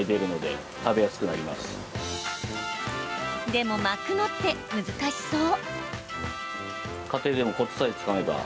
でも、巻くのって難しそう。